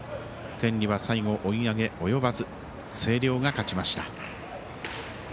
天理は最後、追い上げ及ばず星稜が勝ちました。